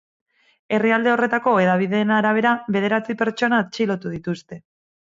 Herrialde horretako hedabideen arabera, bederatzi pertsona atxilotu dituzte.